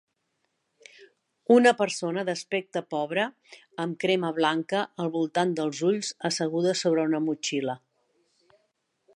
una persona d'aspecte pobre amb crema blanca al voltant dels ulls asseguda sobre una motxilla.